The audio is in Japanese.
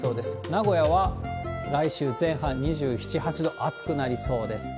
名古屋は来週前半２７、８度、暑くなりそうです。